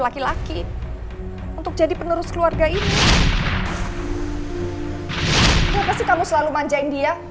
kenapa sih kamu selalu manjain dia